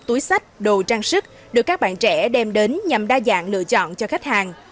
túi sách đồ trang sức được các bạn trẻ đem đến nhằm đa dạng lựa chọn cho khách hàng